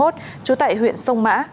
trú tại huyện sông mã